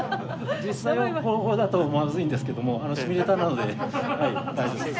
実際は航法だとまずいんですけどもシミュレーターなのではい大丈夫です。